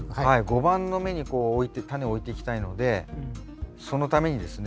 碁盤の目にこう置いてタネを置いていきたいのでそのためにですね